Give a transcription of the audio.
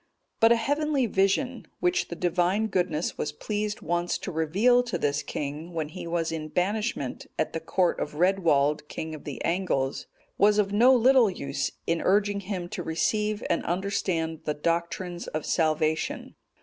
But a heavenly vision, which the Divine Goodness was pleased once to reveal to this king, when he was in banishment at the court of Redwald, king of the Angles,(226) was of no little use in urging him to receive and understand the doctrines of salvation.